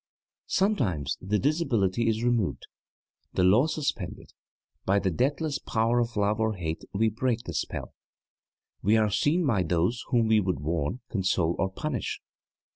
Sometimes the disability is removed, the law suspended: by the deathless power of love or hate we break the spell we are seen by those whom we would warn, console, or punish.